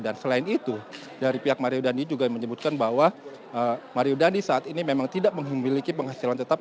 dan selain itu dari pihak mario dandi juga menyebutkan bahwa mario dandi saat ini memang tidak memiliki penghasilan tetap